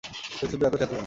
শুধুশুধু এত চ্যাঁতো কেন?